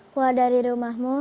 keluar dari rumahmu